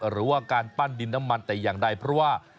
หรือว่าการปั้นดินน้ำมันแต่อย่างใดเพราะว่า